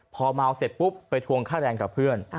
พอเมาเสร็จปุ๊บไปทวงค่าแรงกับเพื่อน